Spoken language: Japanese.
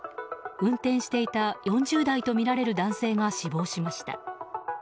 運転していた４０代とみられる男性が死亡しました。